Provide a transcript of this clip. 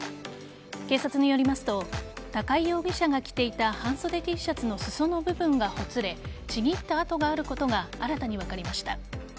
警察によりますと高井容疑者が着ていた半袖Ｔシャツの裾の部分がほつれちぎった跡があることが新たに分かりました。